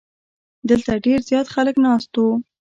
دلته ډیر زیات خلک ناست وو.